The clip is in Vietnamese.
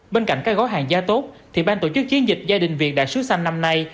bên cạnh các gói hàng gia tốt thì ban tổ chức chiến dịch gia đình việt đại sứ xanh năm nay